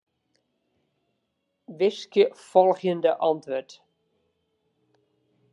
Wiskje folgjende wurd.